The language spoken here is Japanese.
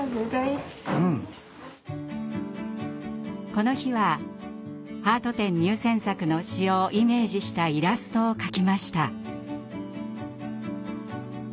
この日はハート展入選作の詩をイメージしたイラストを描きました。